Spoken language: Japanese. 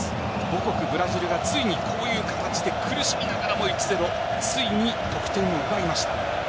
母国ブラジルはついにこういう形で苦しみながらも１対０ついに得点を奪いました。